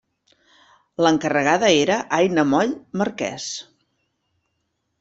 L'encarregada era Aina Moll Marquès.